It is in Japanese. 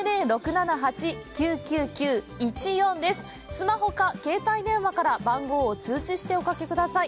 スマホか携帯電話から番号を通知しておかけください。